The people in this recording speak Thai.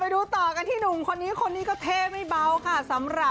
ไปดูต่อกันที่หนุ่มคนนี้คนนี้ก็เท่ไม่เบาค่ะ